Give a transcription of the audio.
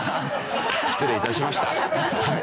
失礼致しました。